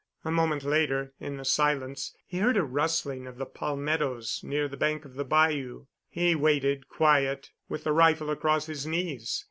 A moment later, in the silence, he heard a rustling of the palmettos near the bank of the bayou. He waited, quiet, with the rifle across his knees.